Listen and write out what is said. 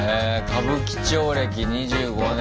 歌舞伎町歴２５年。